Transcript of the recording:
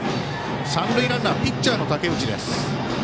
三塁ランナーはピッチャーの武内です。